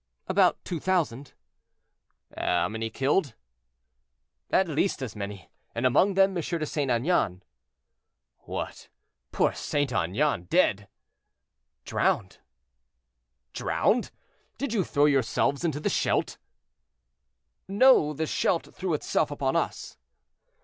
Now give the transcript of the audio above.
"About two thousand." "How many killed?" "At least as many; and among them M. de St. Aignan." "What! poor St. Aignan dead!" "Drowned." "Drowned! Did you throw yourselves into the Scheldt?" "No, the Scheldt threw itself upon us."